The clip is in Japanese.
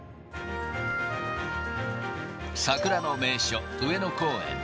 桜の名所、上野公園。